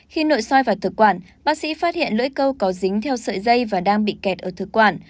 khi nội soi vào thực quản bác sĩ phát hiện lưỡi câu có dính theo sợi dây và đang bị kẹt ở thực quản